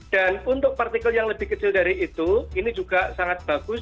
untuk partikel yang lebih kecil dari itu ini juga sangat bagus